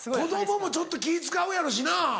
子供もちょっと気使うやろうしな。